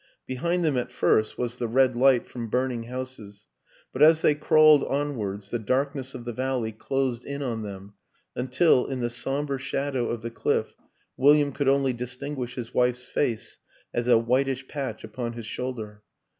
Behind them at first was the red light from burn ing houses ; but as they crawled onwards the dark ness of the valley closed in on them until, in the somber shadow of the cliff, William could only distinguish his wife's face as a whitish patch upon his shoulder.